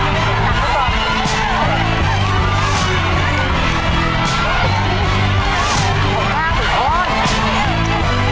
เรื่องของ